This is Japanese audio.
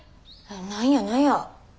何や何や？